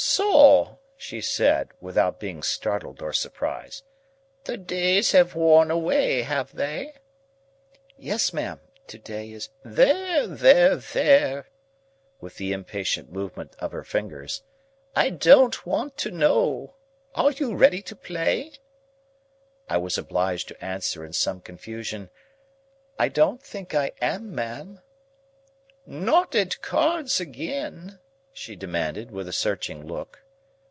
"So!" she said, without being startled or surprised: "the days have worn away, have they?" "Yes, ma'am. To day is—" "There, there, there!" with the impatient movement of her fingers. "I don't want to know. Are you ready to play?" I was obliged to answer in some confusion, "I don't think I am, ma'am." "Not at cards again?" she demanded, with a searching look.